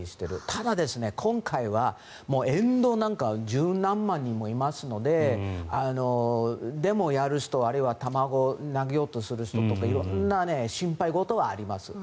ただ、今回は沿道なんか１０何万人もいますのででも、やる人あるいは卵を投げようとする人とか色んな心配事はあります。